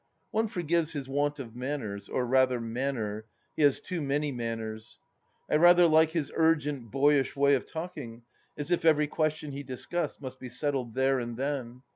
One forgives his want of manners, or rather manner — he has too many manners. I rather like his urgent, boyish way of talking, as if every question he discussed must be settled there and then.